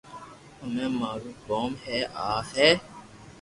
ھمي مارو ڪوم اي آ ھي